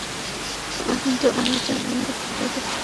কিন্তু আজ তা মানবজাতিকে ধ্বংস করার পর্যায়ে পৌঁছেছে।